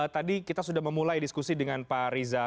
tadi kita sudah memulai diskusi dengan pak riza